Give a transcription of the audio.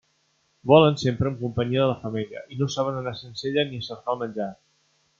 Volen sempre en companyia de la femella, i no saben anar sense ella ni a cercar el menjar.